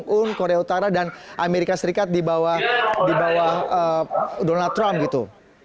di bawah kim jong un korea utara dan amerika serikat di bawah donald trump gitu